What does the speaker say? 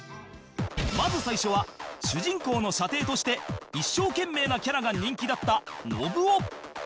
まず最初は主人公の舎弟として一生懸命なキャラが人気だったノブオ